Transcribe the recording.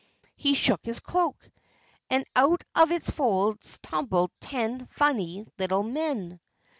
He shook his cloak, and out of its folds tumbled ten funny little men.